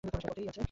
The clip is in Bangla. সে পথেই আছে।